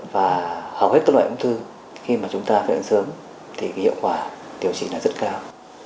và hầu hết các loại ung tư khi mà chúng ta phát hiện sớm thì hiệu quả điều trị rất cao